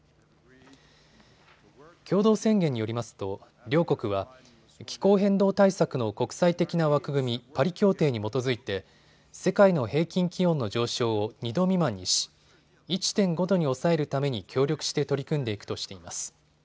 共同宣言によりますと両国は気候変動対策の国際的な枠組み、パリ協定に基づいて世界の平均気温の上昇を２度未満にし１．５度に抑えるために協力して取り組んでいくとしています。